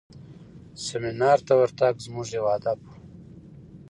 سیمینار ته ورتګ زموږ یو هدف و.